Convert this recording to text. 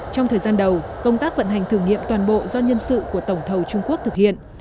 trong thời gian đầu công tác vận hành thử nghiệm toàn bộ do nhân sự của tổng thầu trung quốc thực hiện